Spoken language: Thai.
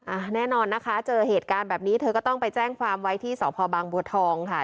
อ่าแน่นอนนะคะเจอเหตุการณ์แบบนี้เธอก็ต้องไปแจ้งความไว้ที่สพบางบัวทองค่ะ